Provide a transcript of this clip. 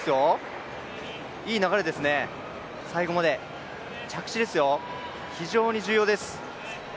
いい流れですね、最後まで、着地ですよ、非常に重要です。